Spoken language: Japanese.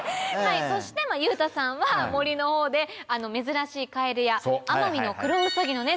そして裕太さんは森のほうで珍しいカエルやアマミノクロウサギのね